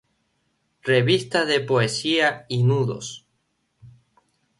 Revista de Poesía y Nudos.